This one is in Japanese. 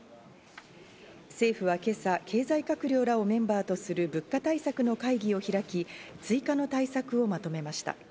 政府は今朝、経済閣僚らをメンバーとする、物価対策の会議を開き、追加の対策をまとめました。